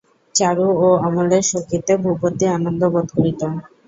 চারু ও অমলের সখিত্বে ভূপতি আনন্দ বোধ করিত।